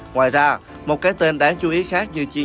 ngoài ra một cái tên đáng chú ý khác như chi